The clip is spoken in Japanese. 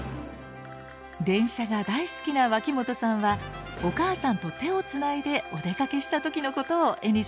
電車が大好きな脇本さんはお母さんと手をつないでお出かけした時のことを絵にしました。